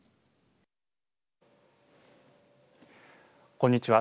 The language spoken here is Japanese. こんにちは